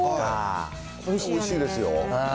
おいしいですよ。